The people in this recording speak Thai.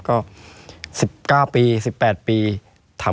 ไม่มีครับไม่มีครับ